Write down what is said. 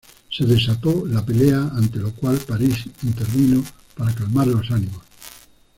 Se desató la pelea, ante lo cual París intervino para calmar los ánimos.